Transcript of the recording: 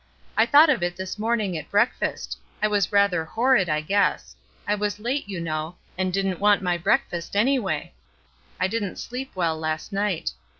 I thought of it this morn ing at breakfast; I was rather horrid, I guess. I was late, you know, and didn't want my breakfast, anyway. I didn't sleep well last night.